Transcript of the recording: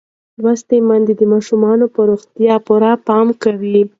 لوستې میندې د ماشوم پر روغتیا پوره پام کوي.